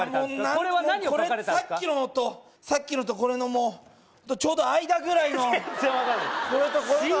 これさっきのとさっきのとこれのもうちょうど間ぐらいの全然分からない